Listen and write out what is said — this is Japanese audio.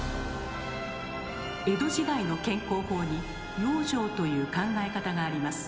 江戸時代の健康法に「養生」という考え方があります。